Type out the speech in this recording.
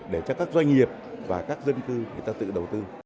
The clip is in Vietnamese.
để cho các doanh nghiệp và các dân cư người ta tự đầu tư